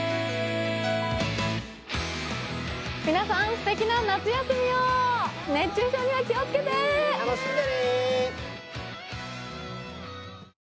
すてきな夏休みを熱中症には気をつけて楽しんでね